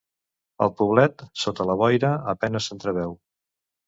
El poblet, sota la boira, a penes s'entreveu.